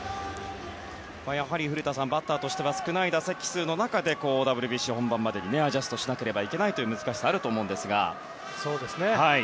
古田さん、バッターとしては少ない打席の中でＷＢＣ本番までにアジャストしなければいけないという難しさがあると思いますが。